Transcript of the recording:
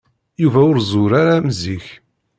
Yuba ur zur ara am zik.